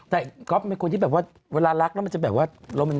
แต่ก๊อบแบบว่าเวลารักแล้วมันจะแบบว่ารโม๑๕๐๐